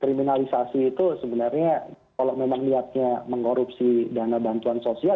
kriminalisasi itu sebenarnya kalau memang niatnya mengorupsi dana bantuan sosial